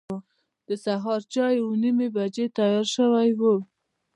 د سهار چای اوه نیمې بجې تیار شوی و.